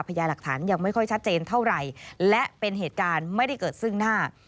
พยายามหลักฐานยังไม่ค่อยชัดเจนเท่าไหร่และเป็นเหตุการณ์ไม่ได้เกิดซึ่งหน้า